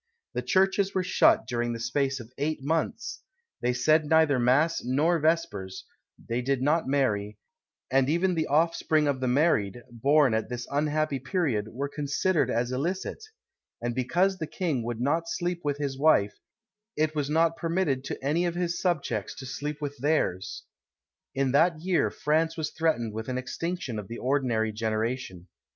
The churches were shut during the space of eight months; they said neither mass nor vespers; they did not marry; and even the offspring of the married, born at this unhappy period, were considered as illicit: and because the king would not sleep with his wife, it was not permitted to any of his subjects to sleep with theirs! In that year France was threatened with an extinction of the ordinary generation.